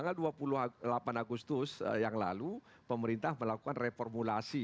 jadi dua puluh delapan agustus yang lalu pemerintah melakukan reformulasi